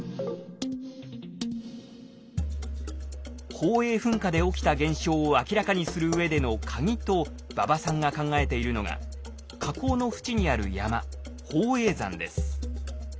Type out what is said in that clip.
宝永噴火で起きた現象を明らかにするうえでのカギと馬場さんが考えているのが火口の縁にある山